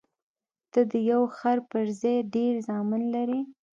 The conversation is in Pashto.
ته د یو خر پر ځای ډېر زامن لرې.